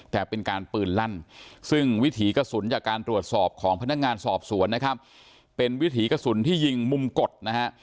แต่เป็นการปืนลั่นซึ่งวิถีกระสุนจากการตรวจสอบของพนักงานสอบสวนนะครับเป็นวิถีกระสุนที่ยิงมุมกดนะฮะ